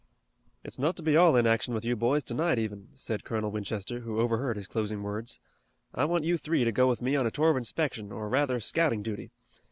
"It's not to be all inaction with you boys tonight, even," said Colonel Winchester, who overheard his closing words. "I want you three to go with me on a tour of inspection or rather scouting duty.